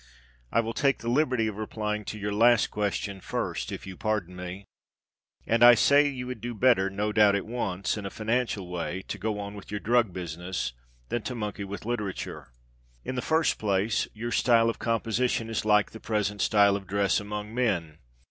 I will take the liberty of replying to your last question first, if you pardon me, and I say that you would do better, no doubt at once, in a financial way, to go on with your drug business than to monkey with literature. In the first place, your style of composition is like the present style of dress among men.